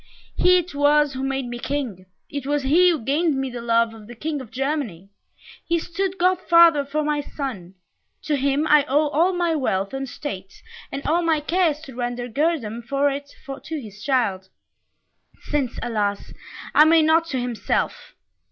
He it was who made me King it was he who gained me the love of the King of Germany; he stood godfather for my son to him I owe all my wealth and state, and all my care is to render guerdon for it to his child, since, alas! I may not to himself.